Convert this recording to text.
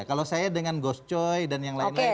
kalau saya dengan gus coy dan yang lain lain